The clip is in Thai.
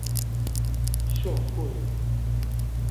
ชั่วครู่หนึ่ง